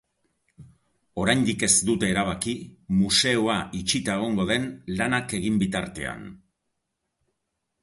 Oraindik ez dute erabaki museoa itxita egongo den lanak egin bitartean.